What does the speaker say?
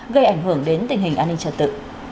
gây ảnh hưởng đến tình hình an ninh trật tự